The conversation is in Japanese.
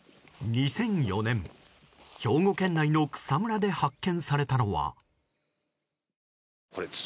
２００４年、兵庫県内の草むらで発見されたのは。